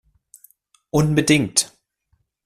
Unbedingt!